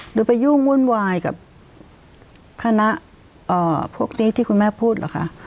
หรือไปยุ่งวุ่นวายกับคณะพวกนี้ที่คุณแม่พูดเหรอคะ